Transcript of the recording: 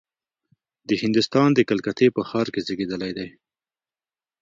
د هندوستان د کلکتې په ښار کې زېږېدلی دی.